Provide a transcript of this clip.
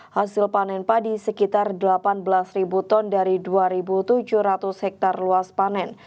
hasil panen padi sekitar delapan belas ton dari dua tujuh ratus hektare luas panen